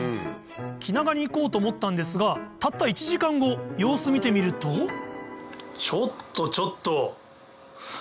気長に行こうと思ったんですがたった様子見てみるとちょっとちょっと。